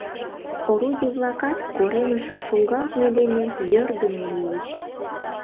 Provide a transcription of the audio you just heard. Орудий-влакат коремыш шуҥгалтме дене йӧрдымӧ лийыч.